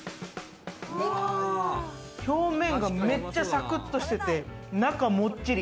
表面がめっちゃサクッとしてて、中もっちり。